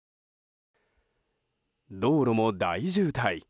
道路も大渋滞。